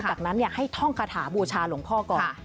จากนั้นเนี่ยให้ท่องกระถาบูชาหลวงพ่อก่อนค่ะ